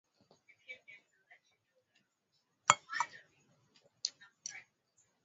kuanzia mwaka elfu moja mia nane themanini na tatu